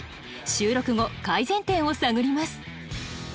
収録後改善点を探ります。